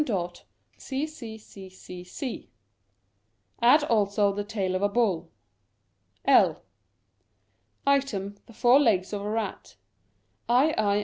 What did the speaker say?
CCCCC Add also the tail of a bull .... L Item, the four legs of a rat ..